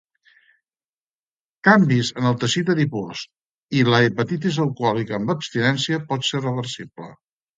Canvis en el teixit adipós i la hepatitis alcohòlica amb abstinència pot ser reversible.